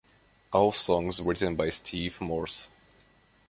All songs written by Steve Morse.